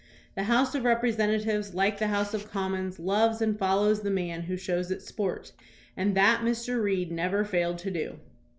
The House of Represent atives, like the House of Commons, loves and follows the man who shows it sport, and that Mr. Reed never failed to do.